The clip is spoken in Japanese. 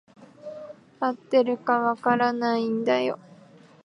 合ってるか分からないんだよ。